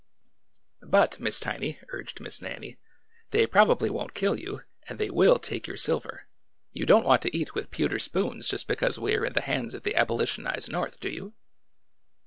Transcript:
'' But, Miss Tiny," urged Miss Nannie, '' they proba 206 A DAY OF SOWING 207 bly won^t kill you, and they will take your silver. You don^t want to eat with pewter spoons just because we are in the hands of the abolitionized North, do you